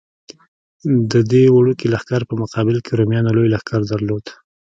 د دې وړوکي لښکر په مقابل کې رومیانو لوی لښکر درلود.